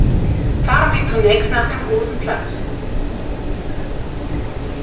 Fahren Sie zunächst nach dem grossen Platz!